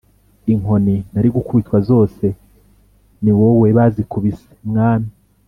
Inkoni nari gukubitwa zose niwowe bazikubise mwami